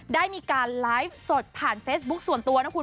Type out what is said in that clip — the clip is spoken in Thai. ได้มีการไลฟ์สดผ่านเฟซบุ๊คส่วนตัวนะคุณ